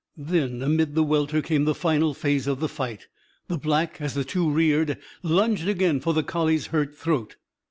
Then, amid the welter, came the final phase of the fight. The Black, as the two reared, lunged again for the collie's hurt throat.